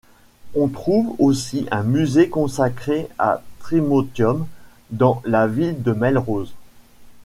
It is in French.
On trouve aussi un musée consacré à Trimontium, dans la ville de Melrose.